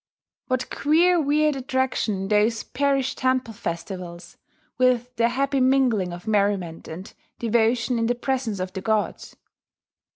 What queer weird attraction in those parish temple festivals, with their happy mingling of merriment and devotion in the presence of the gods!